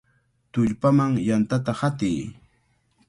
¡Tullpaman yantata hatiy!